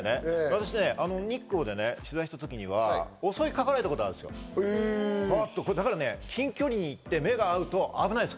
私ね、日光で取材した時には襲いかかられたことがあるんですよ。近距離に行って目が合うと危ないです。